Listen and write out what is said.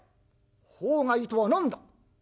法外とは何だ。